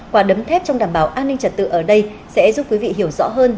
quả đấm thép trong đảm bảo an ninh trật tự ở đây sẽ giúp quý vị hiểu rõ hơn